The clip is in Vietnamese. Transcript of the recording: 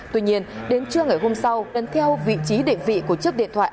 tuy nhiên đến trưa ngày hôm sau lần theo vị trí định vị của chiếc điện thoại